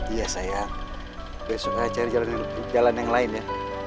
iya sayang besok ayah cari jalan yang lain ya